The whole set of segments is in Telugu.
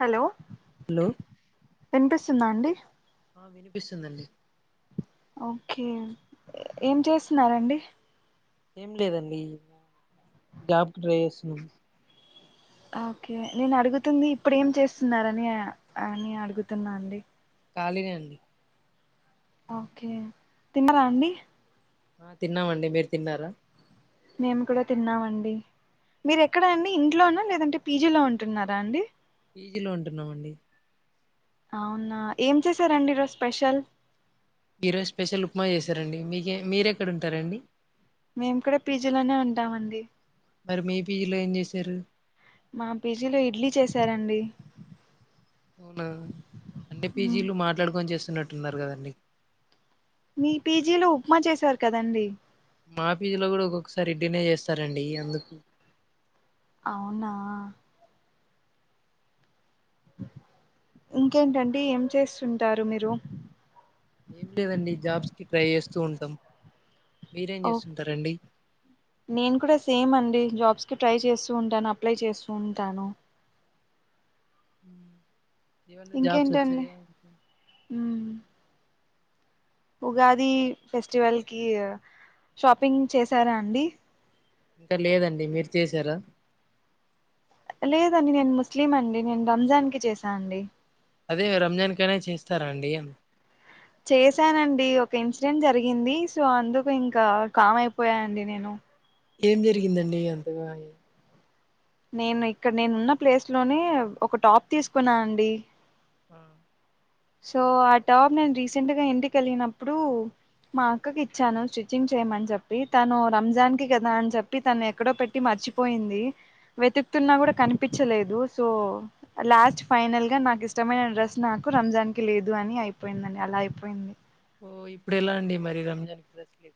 హలో హలో వస్తుందా అండి ఆ వినిపిస్తుందండి ఓకే ఏం చేస్తున్నారండి ఏం లేదండి గ్యాబ్ డ్రైవర్స్ ను ఓకే నేను అడుగుతుంది ఇప్పుడు ఏం చేస్తున్నారని నే అడుగుతున్నా అండి ఖళిన అండి ఓకే తిన్నారా అండి ఆ తిన్నామండి మీరు తిన్నారా మేము కూడా తిన్నామండి మీరు ఎక్కడ అండి ఇంట్లోనా లేదంటే పీజీలో ఉంటున్నారా అండి పిజీలో ఉంటున్నామండి అవునా ఏం చేశారండి ఇ రోజ స్పెషల్ మీరోజు స్పెషల్ ఉప్మా చేశారండి మీకే మీరెక్కడ ఉంటారండి మేము కూడా పీజీలోనే ఉంటామండి మరి మీ పీజీ లో ఏం చేసారు మా పీజీలో ఇడ్లీ చేసారండి అవును అన్ని పీజీలు మాట్లాడుకొని చేస్తారు చన్నట్టున్నారు కదండి మీ పీజీలో ఉప్మా చేసారు కదండి మాఫీజులో కూడా ఒక్కొక్కసారి ఇడ్డినే చేస్తారండి అందుకు అవునా ఇంకేంటండి ఏం చేస్తుంటారు మీరు ఏం లేదండి జాబ్స్ క ట్రై చేస్తూ ఉంటాం మీరేం ఓ చేస్తుంటారండి నేను కూడా సేమ్ అండి జాబ్స్ ట్రై చేస్తూ ఉంటాను అప్లై చేస్తూ ఉంటాను హ ఇవన్ జాబ్స్ ఇంకేంటండి వచ్చాయా ఉమ్, ఉగాది ఫెస్టివల్ కి షాపింగ్ చేసారా అండి ఇంకా లేదండి మీరు చేసారా లేదండి నేను ముస్లిం అండి నేను రంజాన్ కి చేశా అండి అదే రంజాన్ కనే చేస్తారా అండి చేశానండి ఒక ఇన్సిడెంట్ జరిగింది సో అందుకు ఇంకా కామ్ అయిపోయానండి నేను ఏం జరిగిందండి అంతగా నేను ఇక్కడ నేను ఉన్న ప్లేస్ లోనే ఒక టాప్ తీసుకున్నా అండి ఆ సో ఆ టాప్ నేను రీసెంట్ గా ఇంటికి వెలిగినప్పుడు మా అక్కకి ఇచ్చాను స్టిచ్చింగ్ చేయమని చెప్పి తను రంజాన్ కి కదా అని చెప్పి తను ఎక్కడో పెట్టి మర్చిపోయింది వెతుకుతున్నా కూడా కనిపించలేదు సో లాస్ట్ ఫైనల్ గా నాకు ఇష్టమైన డ్రెస్ నాకు రంజాన్నికి లేదు అని అయిపోయిందండి అలా అయిపోయింది ఓ ఇప్పుడు ఎలా అండి మరి రంజాన్ ప్రెస్ లే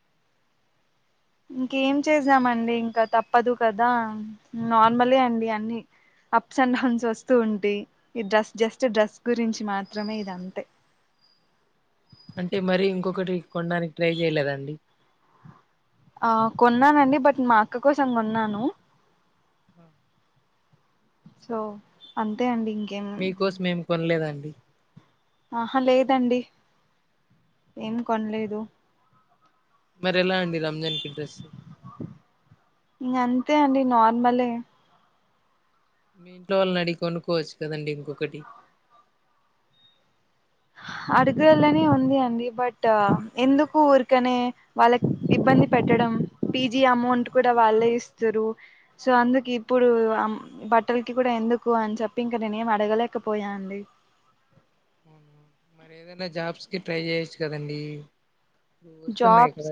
ఇంకేం చేసామండి ఇంకా తప్పదు కదా నార్మలే అండి అన్ని అప్స్ అండ్ డౌన్స్ వస్తూ ఉంటాయి ఈ డ్రస్ జస్ట్ డ్రస్ గురించి మాత్రమే ఇద అంతే అంటే మరి ఇంకొకటి కొండానికి ట్రై చేయలేదండి. ఆ కొన్నానండి బట్ మా అక్క కోసం కొన్నాను. హ సో అంతే అండి ఇం ఇంకేం మీకోసం ఏం కొనలేదండి ఆహా లేదండి. ఏం కొనలేదు మరి ఎలా అండి రంజాన్కి డ్రెస్ ఇంగ అంతే అండి నార్మలే మీ ఇంట్లో వాళ్ళని అడిగి కొనుకోవచ్చు కదండి ఇంకొకటి అడగాలనే ఉంది అండి. బట్ ఎందుకు ఊరికనే వాళ్ళకి ఇబ్బంది పెట్టడం. పీజీ అమౌంట్ కూడా వాళ్ళే ఇస్తురు. సో అందుకు ఇప్పుడు బట్టలకి కూడా ఎందుకు అని చెప్పి, ఇంకా నేనే ఏం అడగలేకపోయా అండి. అవును మరి ఏదైనా జాబ్స్కి ట్రై చేయొచ్చు కదండీ. జాబ్స్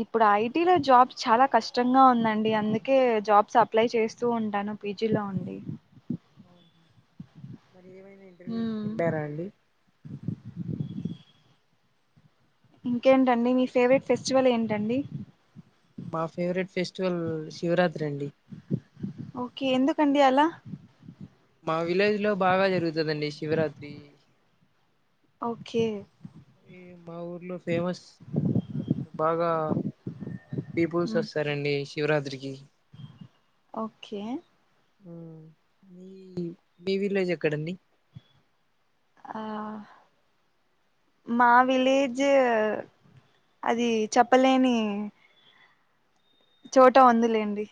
ఇప్పుడు ఐటిలో జాబ్స్ చాలా కష్టంగా ఉందండి. అందుకే జాబ్స్ అప్లై చేస్తూ ఉంటాను పీజిలో ఉండి. ఆఓహ ఏవైన ఇంటర్వ్యూస్ ఉంటారా అండి ఇంకేంటండి మీ ఫేవరెట్ ఫెస్టివల్ ఏంటండి. మా ఫేవరెట్ ఫెస్టివల్ శివరాత్రి అండి. కండి అల మా విలేజ్ లో బాగా జరుగుతుదండి శివరాత్రి ఓకే ఈ మా ఊర్లోస్ ఫేమస్ బాగా డీపుల్స్ మ్మ్. వస్తారండి శివరాత్రి కి ఓకే ఉ మీ మీ విలేజ్ ఎక్కడండి ఆ మా విలేజ్ అది చెప్పలేని చోట ఉందిలేండి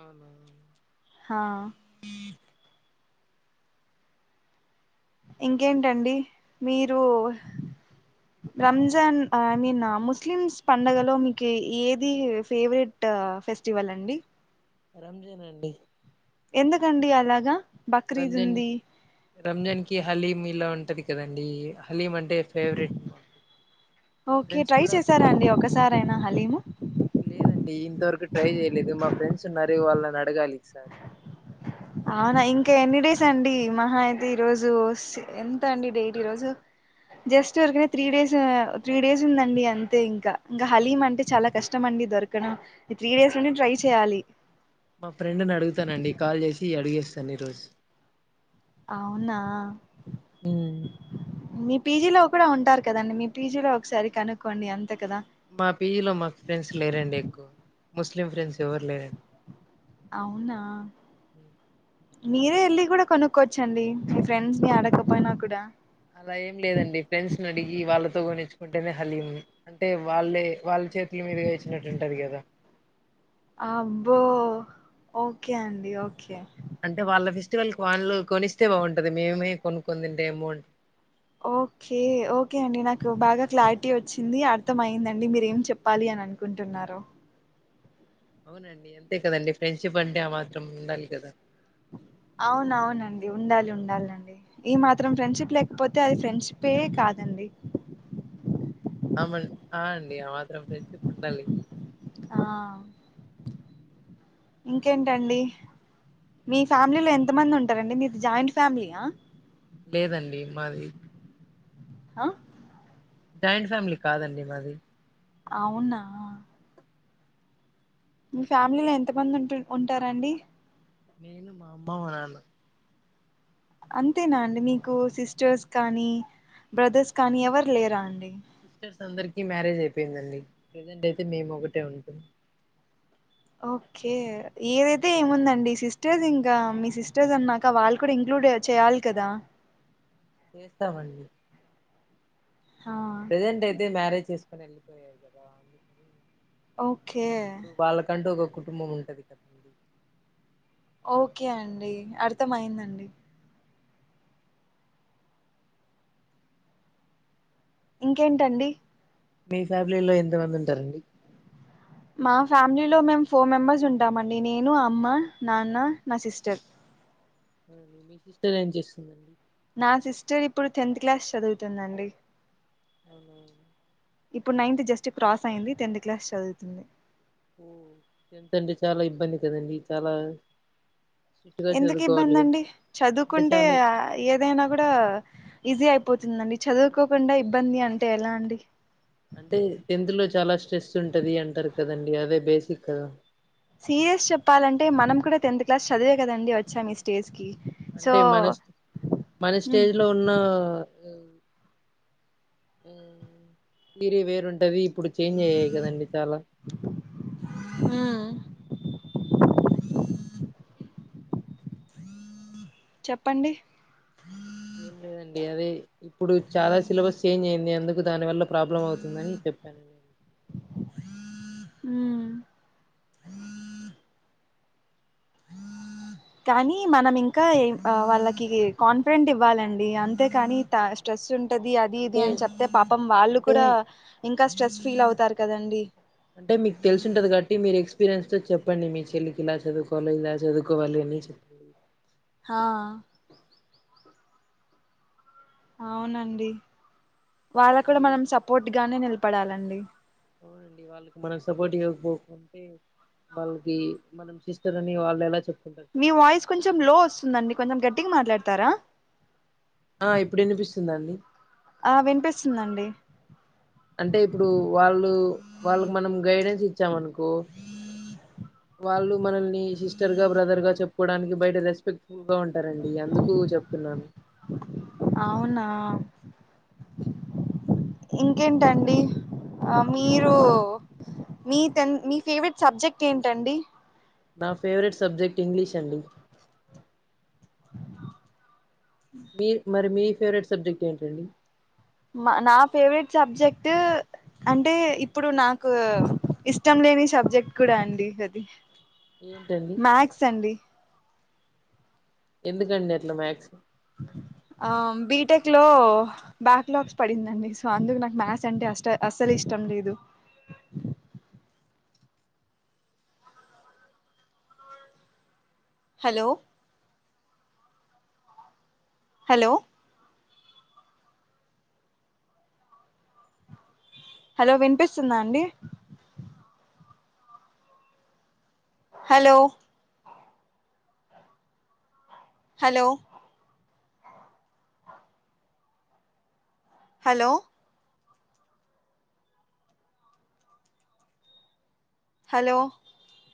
అవునా హా ఇంకేంటండి. మీరు రంజాన్ ఐ మీన్ ముస్లిమ్స్ పంండగలో, మీకు ఏది ఫేవరెట్ ఫెస్టివల్ అండి. రంజానే అండి ఎందుకండి అలాగా బక్రీద్ రంజన్ ఉంది రంజాన్ కి హలీమ్ లాన్ టది కదండి హలీం అంటే ఫేవరెట్ మాకు. మా ఓకే ఫ్రెండ్స్ ట్రై కూడా చేసారా అండి ఒకసారైనా హలీము లేదండి ఇంతవరకు ట్రై చేయలేదు. మా ఫ్రెండ్స్ ఉన్నారు. అదే వాళ్ళని అడగాలి సార్ అవునా ఇంకా ఎన్ని డేస్ అండి. మహా అయితే ఈరోజు స్ ఎంత అండి. డేట్ ఈరోజు జస్ట్ ఉరికనే త్రీ డేస్ త్రీ డేస్ ఉందండి. అంతే ఇంకా ఇంకా హలీం అంటే చాలా కష్టం అండి. దొరకడం త్రీ డేస్ నుండి ట్రై చేయ్యాలి. మా సని రోజ్ అవునా మీ పీజీలో కూడా ఉంటారు కదండి మీ పీజీలో ఒకసారి కనుక్కోండి అంతే కదా మా పీజలో మాకు ఫ్రెండ్స్ లేరండి ఎక్కువ ముస్లిం ఫ్రెండ్స్ ఎవరు లేరండి అవునా మీరే వెళ్ళి కూడా కొనుక్కోవచ్చండి మీ ఫ్రెండ్స్ ని ఆడకపోయినా కూడా అలా ఏం లేదండి ఫ్రెండ్స్ ని అడిగి వాళ్ళతో కొనిచ్చుకుంటేనే హలీం అంటే వాళ్ళే వాళ్ళు చే పల మీదుగా ఇచ్చినట్టుంటాది కదా అబ్బో ఓకే అండి ఓకే అంటే వాళ్ళ ఫెస్టివల్ వాళ్లు కొనిస్తే బాగుంటది మేమే కొనుకొని తింటే ఏం బాగుంటది ఓకే ఓకే అండి నాకు బాగా క్లారిటీ వచ్చింది అర్థం అయి్యిందండి మీరు ఏం చెప్పాలి అని అనుకుంటున్నరు అవునండి అంతే కదండి ఫ్రెండ్షిప్ అంటే ఆ మాత్రం ఉండాలి కదా అవున అవునండి ఉండాలి ఉండాలి అండి ఈ మాత్రం ఫ్రెండ్షిప్ లేకపోతే అది ఫ్రెండ్షిపే కాదండి అమెల్ ఆ ది ఆ మాత్రం ఫ్రెండ్షిప్ ఉండాలి ఆ ఇంకేంటండి మీ హ్మ్. ఫ్యామిలీలో ఎంత మంది ఉంట ారండి మీది జాయింట్ ఫ్యామిలీయా లేదండి మాది ఆ జాయింట్ ఫ్యామిలీ కాదండి మాది అవునా మీ ఫ్యామిలీలో ఎంత మంది ఉంటు ఉంటారంండి నేను మా అమ్మ మా నాన్న అంతేనా అండి మీకు సిస్టర్స్ కానీ సిస్ బ్రదర్స్ కానీ ఎవరు లేరా అండి సిస్టర్స్ అందరికి మ్యారేజ్ అయిపోయిందండి ప్రజెంట్ అయితే మేము ఒకటే ఉంటాం ఓకే ఏదైతే ఏముందండి సిస్టర్స్ ఇంకా మీ సిస్టర్స్ అన్నాక వాళ్ళు కూడా ఇంక్లూడ్ చేయాలి కదా చేస్తామండి హా ప్రజెంట్ అయితే మ్యారేజ్ చేసుకొని వెళ్ళిపోయాయి కదా అందుకు ఓకే ఒక కుటుంబం ఉంటది కదండి ఓకే అండి అర్థం అయిందండి ఇంకేంటండి మీ ఫ్యామిలీలో ఎంత మంది ఉంటారండి మా ఫ్యామిలీలో మేము ఫోర్ మెంబెర్స్ ఉంటామండి నేను అమ్మ నాన్న నా సిస్టర్ అవు మీ సిస్టర్ ఏం చేస్తుందండి నా సిస్టర్ ఇప్పుడు టెన్త్ క్లాస్ చదువుతుందండి అ ఇప్పుడు నైన్త్ జస్ట్ క్రాస్ అయి్యంది టెన్త్ క్లాస్ చదువుతుంది ఓ ఎంతంటే చాలా ఇబ్బంది కదండి చాలా స్ట్రిక్ట్ గా ఎందుకు చదువుకోవాలి ఇబ్బంది కదా అండి అంటే చదువుకుంటే చాలా స్ట్రిక్ట్ గా చదువుకో ఏదైనా కూడా ఈజీ అయిపో పోతుందండి చదువుకోకుండా ఇబ్బంది అంటే ఎలా అండి అంటే టెన్త్ లో చాలా స్ట్రెస్ ఉంటది అంటారు కదండి అదే బేసిక్ సీరియస్ చెప్పాలంటే మనం కూడా టెన్త్ క్లాస్ చదివే కదండి వచ్చాం ఈ స్టేజ్ కి సో అంటే మన మన ఉమ్ స్టేజ్ లో ఉన్న తీరే వేరుంటది ఇప్పుడు చేంజ్ అయ్యాయి కదండి చాలా చెప్పండి ఏం లేదండి అదే ఇప్పుడు చాలా సిలబస్ చేంజ్ అయింది అందుకు దాని వల్ల ప్రాబ్లం అవుతుందని చెప్పాను నేను అ కానీ మనం ఇంకా ఏం వాళ్ళకి కాన్ఫిడెంట్ ఇవ్వాలండి అంతేకాని స్ట్రెస్ ఉ టది అది ఇది అంటే అని చెప్తే పాపం వాళ్ళు అంటే కూడా ఇంకా ఇంకా స్ట్రెస్ ఫీల్ అవుతారు కదండి అంటే మీకు తెలిసి ఉంటది కాట్టి మీరు ఎక్స్పీరియన్స్ తో చెప్పండి మీ చెల్లికి ఇలా చదువుకోవాలో ఇలా చదువుకోవాలి అనీ చెప్పి హా అవునండి వాళ్ళకూడా మీరు మనం సపోర్ట్ గానే నిలబడాలి అండి అవునండి వాళ్ళకి మనం సపోర్ట్ ఇవ్వకపోకుంటే వాళ్ళకి మనం సిస్టర్ అని వాళ్ళు ఎలా చెప్త మీ వాయిస్ కొంచెం లో వస్తుందండి కొంచెం గట్టిగా మాట్లాడుత తారా ఆ ఇప్పుడు వినిపిస్తుందాండి ఆ వినిపిస్తుందండి అంటే ఇప్పుడు వాళ్ళు వాళ్ళకి మనం గైడెన్స్ ఇచ్చామనుకో కో వాళ్ళు మనల్ని సిస్టర్ గా బ్రదర్ గా చెప్పుకోవడానికి బయట రెస్పెక్ట్ ఫుల్గా ఉంటరండి అందుకు చెప్తున్నాను అవునా ఇంకేంటండి మీరు మీ టెన్ మీ ఫేవరెట్ సబ్జెక్ట్ ఏంటండి నా ఫేవరెట్ సబ్జెక్ట్ ఇంగ్లీష్ అండి మీర్ మరి మీ ఫేవరెట్ సబ్జెక్ట్ ఏంటండి మా నా ఫేవరెట్ సబ్జెక్ట్ అంటే ఇప్పుడు నాకు ఇష్టం లేని సబ్జెక్ట్ కూడా అండి అది ఏంటండి మాక్స్ అండి ఎందుకండి అట్లా మాక్స్ ఆ బీటెక్ లో బ్యాక్లాగ్స్ పడిందండి సో అందుకు నాకు మ్యాథ్స్ అంటే అస్ అస్సలు ఇష్టం లేదు హలో హలో హలో వినిపిస్తుందా అండి హలో హలో హలో హలో